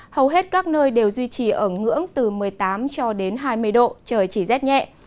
hầu hết các nơi đều duy trì ở ngưỡng từ một mươi tám cho đến hai mươi độ trời chỉ rét nhẹ